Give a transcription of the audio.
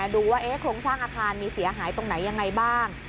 ดูว่าโครงสร้างอาคารมีเสียหายตรงไหนยังไงบ้าง